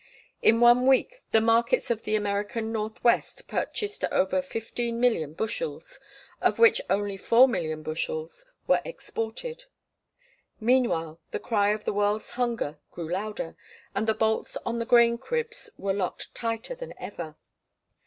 In one week the markets of the American North west purchased over 15,000,000 bushels, of which only 4,000,000 bushels were exported. Meanwhile the cry of the world's hunger grew louder, and the bolts on the grain cribs were locked tighter than ever.